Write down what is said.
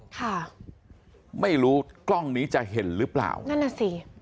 ค่ะไม่รู้กล้องนี้จะเห็นหรือเปล่านั่นน่ะสิ